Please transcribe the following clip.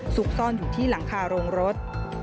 ซุกซ่อนอยู่ที่หลังคาโรงรถ